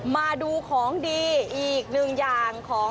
มาดูของดีอีกหนึ่งอย่างของ